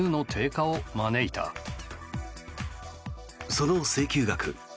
その請求額